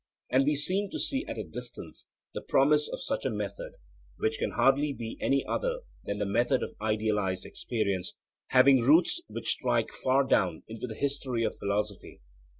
And we seem to see at a distance the promise of such a method, which can hardly be any other than the method of idealized experience, having roots which strike far down into the history of philosophy.